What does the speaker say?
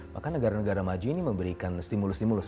maka negara negara maju ini memberikan stimulus stimulus